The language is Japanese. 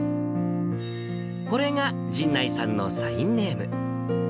これが神内さんのサインネーム。